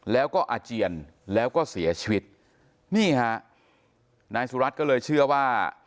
แล้วก็อาเจียนแล้วก็เสียชีวิตนี่ฮะนายสุรัตน์ก็เลยเชื่อว่า